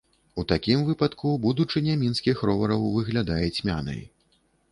У такім выпадку будучыня мінскіх ровараў выглядае цьмянай.